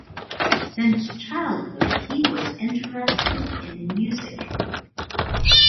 Since childhood he was interested in music.